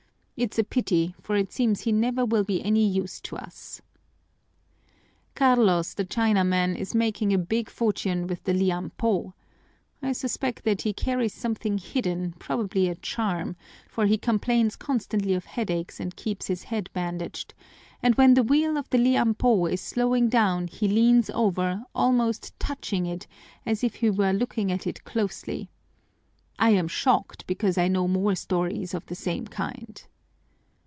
It's a pity, for it seems he never will be any use to us. "Carlos the Chinaman is making a big fortune with the liam pó. I suspect that he carries something hidden, probably a charm, for he complains constantly of headaches and keeps his head bandaged, and when the wheel of the liam pó is slowing down he leans over, almost touching it, as if he were looking at it closely. I am shocked, because I know more stories of the same kind.